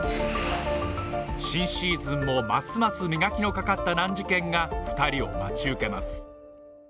新シーズンもますます磨きのかかった難事件が２人を待ち受けます